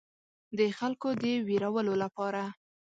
د خلکو د ویرولو لپاره.